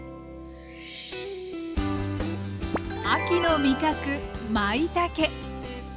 秋の味覚まいたけ。